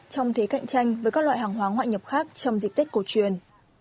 trong thế cạnh tranh với các loại hàng hóa ngoại nhập khác trong dịp tết cổ truyền